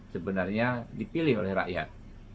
sebenarnya dipilih oleh rakyat